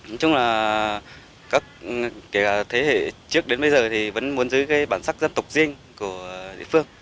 nói chung là các thế hệ trước đến bây giờ thì vẫn muốn giữ bản sắc dân tộc riêng của địa phương